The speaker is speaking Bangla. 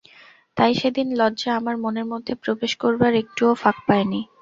তাই সেদিন লজ্জা আমার মনের মধ্যে প্রবেশ করবার একটুও ফাঁক পায় নি।